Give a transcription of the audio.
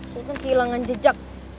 sultan kehilangan jejak